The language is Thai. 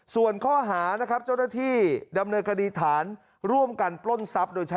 ส่วนข้อหานะครับ